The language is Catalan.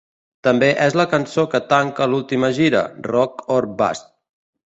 També és la cançó que tanca l'última gira, Rock or Bust.